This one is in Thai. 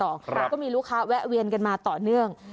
ก็มีลูกค้าแวะเวียนกันมาต่อเนื่อง